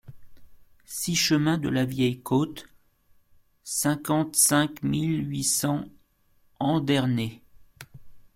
six chemin de la Vieille Côte, cinquante-cinq mille huit cents Andernay